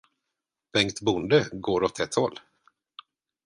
Bengt Bonde går åt ett håll.